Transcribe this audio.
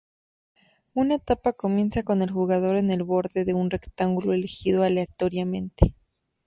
Una etapa comienza con el jugador en el borde de un rectángulo elegido aleatoriamente.